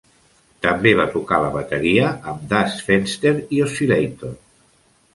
També va tocar la bateria amb Das Fenster i Oscillator.